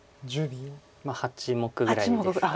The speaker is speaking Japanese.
８目ぐらいですか。